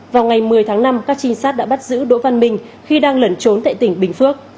vào ngày một mươi tháng năm các trinh sát đã bắt giữ đỗ văn minh khi đang lẩn trốn tại tỉnh bình phước